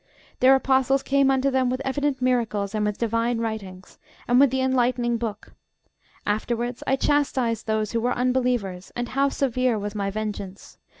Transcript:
Their apostles came unto them with evident miracles, and with divine writings, and with the Enlightening Book: afterwards I chastised those who were unbelievers; and how severe was my vengeance!